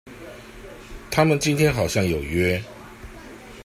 他們今天好像有約